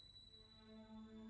aku sudah berjalan